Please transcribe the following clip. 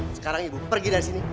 sekarang ibu pergi dari sini